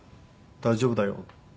「大丈夫だよ」。